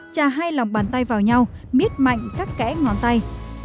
ba trà hai lòng bàn tay vào nhau miết mạnh các kẽ ngón tay